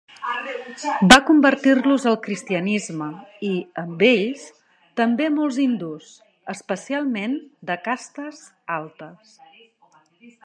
Va convertir-los al cristianisme i, amb ells, també molts hindús, especialment de castes altes.